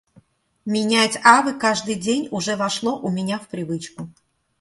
Менять авы каждый день уже вошло у меня в привычку.